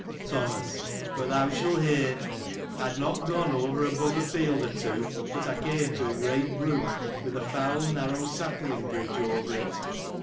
Thomas. — But thou shall hear. I had not gone over above a field, or two, but I came to a great brook, with a foul, narrow sapling bridge over it.